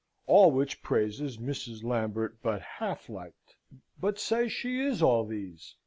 (All which praises Mrs. Lambert but half liked.) "But say she is all these?